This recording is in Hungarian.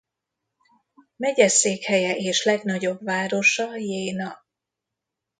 Megyeszékhelye és legnagyobb városa Jena.